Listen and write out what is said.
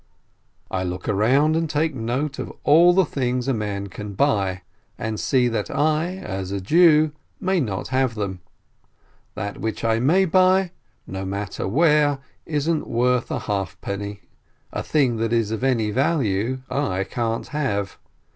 I look round and take note of all the things a man can buy, and see that I, as a Jew, may not have them; that which I may buy, no matter where, isn't worth a halfpenny; a thing that is of any value, I can't have.